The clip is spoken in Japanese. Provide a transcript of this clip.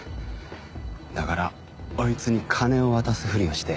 だからあいつに金を渡すふりをして。